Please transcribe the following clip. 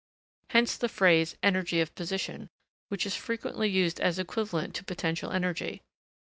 Hence the phrase energy of position, which is frequently used as equivalent to potential energy.